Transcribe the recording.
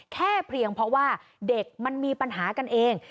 เพียงเพราะว่าเด็กมันมีปัญหากันเอง